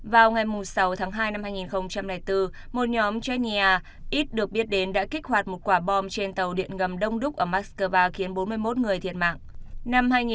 vào ngày sáu tháng hai năm hai nghìn bốn một nhóm genia ít được biết đến đã kích hoạt một quả bom trên tàu điện ngầm đông đúc ở moscow khiến bốn mươi một người thiệt mạng